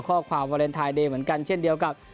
ข้อความวาเลนไทยเดย์เหมือนกันเช่นเดียวกับ